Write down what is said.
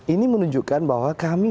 ini menunjukkan bahwa kami